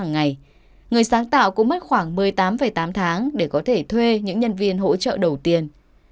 ngày người sáng tạo cũng mất khoảng một mươi tám tám tháng để có thể thuê những nhân viên hỗ trợ đầu tiên